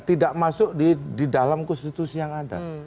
tidak masuk di dalam konstitusi yang ada